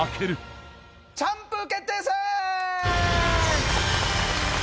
チャンプ決定戦！